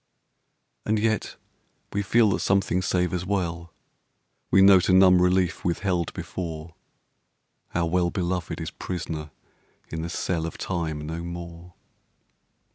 And yet we feel that something savours well; We note a numb relief withheld before; Our well beloved is prisoner in the cell Of Time no more.